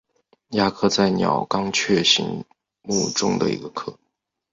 鸦科在是鸟纲雀形目中的一个科。